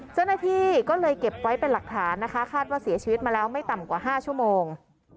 เจ้าหน้าที่ก็เลยเก็บไว้เป็นหลักฐานนะคะคาดว่าเสียชีวิตมาแล้วไม่ต่ำกว่า๕ชั่วโมง